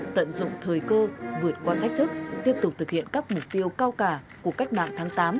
tận dụng thời cơ vượt qua thách thức tiếp tục thực hiện các mục tiêu cao cả của cách mạng tháng tám